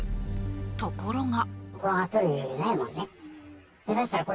ところが。